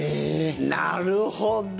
なるほど。